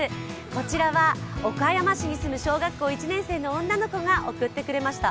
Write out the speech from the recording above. こちらは岡山市に住む小学校１年生の女の子が送ってくれました。